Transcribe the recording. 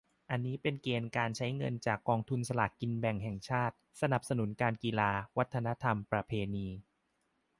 อันนี้เป็นเกณฑ์การใช้เงินจากกองทุนสลากกินแบ่งแห่งชาติ : สนับสนุนการกีฬา วัฒนธรรมประเพณี